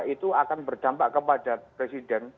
itu akan berdampak kepada presiden